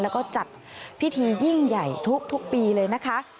แล้วก็จัดพิธียิ่งใหญ่ทุกปีเลยนะคะ